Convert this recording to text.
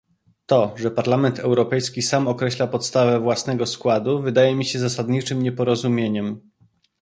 To, że Parlament Europejski sam określa podstawę własnego składu wydaje mi się zasadniczym nieporozumieniem